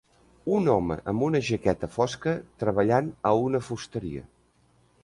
Un home amb una jaqueta fosca treballant a una fusteria.